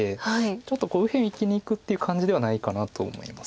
ちょっと右辺生きにいくっていう感じではないかなと思います。